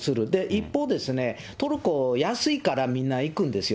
一方、トルコ、安いからみんな行くんですよ。